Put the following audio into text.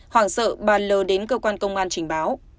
hoàng sợ bà l đến cơ quan công an trình báo